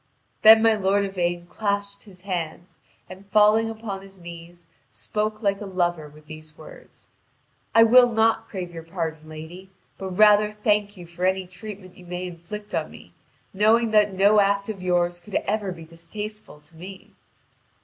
Then my lord Yvain clasped his hands, and failing upon his knees, spoke like a lover with these words: "I will not crave your pardon, lady, but rather thank you for any treatment you may inflict on me, knowing that no act of yours could ever be distasteful to me."